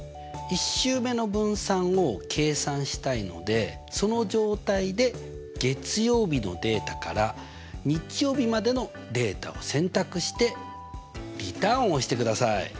１週目の分散を計算したいのでその状態で月曜日のデータから日曜日までのデータを選択してリターンを押してください。